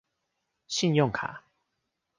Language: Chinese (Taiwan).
信用卡